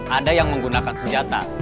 ada yang menggunakan senjata